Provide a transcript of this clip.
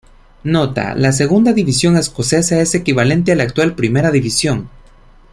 Nota: la Segunda división escocesa es equivalente a la actual Primera división.